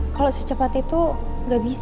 kalau secepat itu nggak bisa